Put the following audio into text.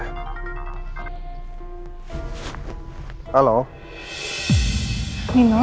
kembar telfonnya lapas ya